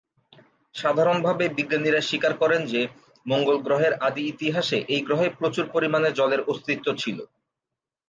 সাধারণভাবে বিজ্ঞানীরা স্বীকার করেন যে, মঙ্গল গ্রহের আদি ইতিহাসে এই গ্রহে প্রচুর পরিমাণে জলের অস্তিত্ব ছিল।